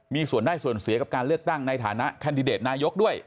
มีส่วนได้ส่วนเสียกับการเลือกตั้งในฐานะแคนดิเดตนายกด้วย